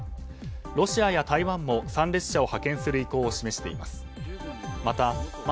ロシアや台湾も参列者を派遣する意向を示しています。